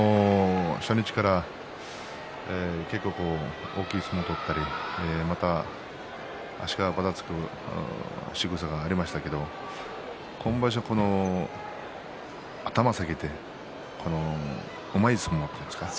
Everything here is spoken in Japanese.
初日から大きい相撲を取ったりまた足がばたつくしぐさがありましたけれど今場所は頭を下げて重い相撲というんですかね